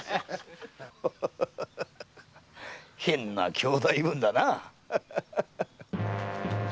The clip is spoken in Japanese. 変な兄弟分だな。